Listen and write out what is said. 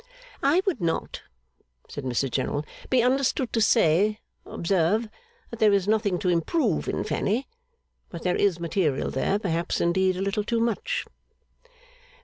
'I would not,' said Mrs General, 'be understood to say, observe, that there is nothing to improve in Fanny. But there is material there perhaps, indeed, a little too much.